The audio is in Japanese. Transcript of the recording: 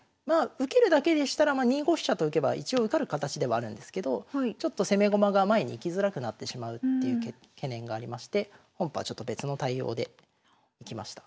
受けるだけでしたらまあ２五飛車と浮けば一応受かる形ではあるんですけどちょっと攻め駒が前に行きづらくなってしまうっていう懸念がありまして本譜はちょっと別の対応でいきました。